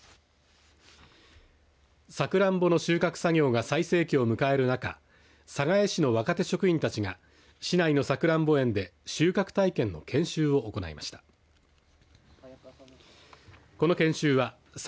さくらんぼの収穫作業が最盛期を迎えるなか寒河江市の若手職員たちが市内のさくらんぼ園で収穫体験の研修を行いました。